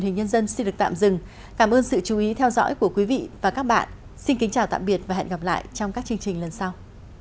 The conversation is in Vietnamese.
hẹn gặp lại trong các chương trình lần sau